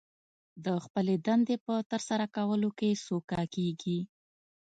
د خپلې دندې په ترسره کولو کې سوکه کېږي